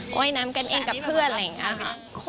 ว่ายน้ำกันเองกับเพื่อนอะไรอย่างนี้ค่ะ